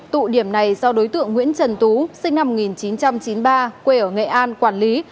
tụ điểm này do đối tượng nguyễn trần tú sinh năm một nghìn chín trăm chín mươi ba quê ở nghệ an quản lý